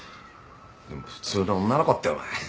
でも普通の女の子ってお前。